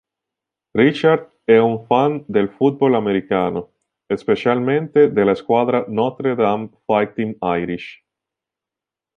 Richard è un fan del football americano, specialmente della squadra Notre Dame Fighting Irish.